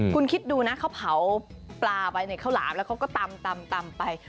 คุณคิดดูนะเขาเผาปลาไปในข้าวหลามแล้วเขาก็ตำไป